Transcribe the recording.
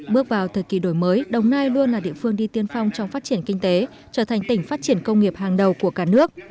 bước vào thời kỳ đổi mới đồng nai luôn là địa phương đi tiên phong trong phát triển kinh tế trở thành tỉnh phát triển công nghiệp hàng đầu của cả nước